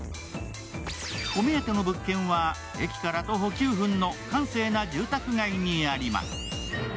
お目当ての物件は駅から徒歩９分の閑静な住宅街にあります。